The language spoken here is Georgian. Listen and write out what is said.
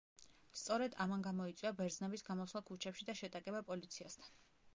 სწორედ ამან გამოიწვია ბერძნების გამოსვლა ქუჩებში და შეტაკება პოლიციასთან.